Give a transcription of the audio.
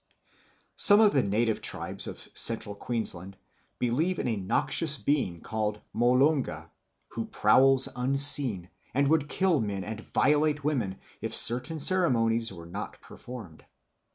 Some of the native tribes of Central Queensland believe in a noxious being called Molonga, who prowls unseen and would kill men and violate women if certain ceremonies were not performed.